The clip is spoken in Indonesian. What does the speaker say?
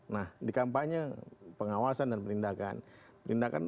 nah di kampanye pengawasan dan penindakan